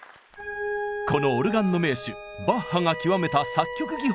このオルガンの名手バッハが極めた作曲技法があります。